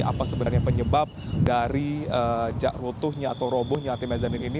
apa sebenarnya penyebab dari rutuhnya atau robohnya tim mezanin ini